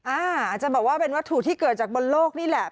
อาจารย์บอกว่าเป็นวัตถุที่เกิดจากบนโลกนี่แหละ